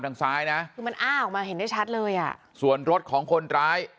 ทางซ้ายนะคือมันอ้าออกมาเห็นได้ชัดเลยอ่ะส่วนรถของคนร้าย